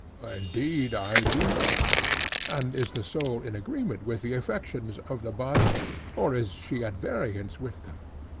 Indeed, I do not. And is the soul in agreement with the affections of the body? or is she at variance with them?